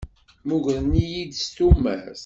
Mmugren-iyi s tumert.